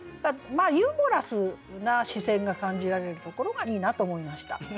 ユーモラスな視線が感じられるところがいいなと思いました。